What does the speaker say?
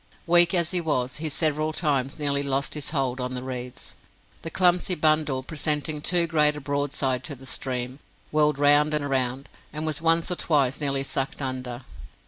Weak as he was, he several times nearly lost his hold on the reeds. The clumsy bundle presenting too great a broadside to the stream, whirled round and round, and was once or twice nearly sucked under.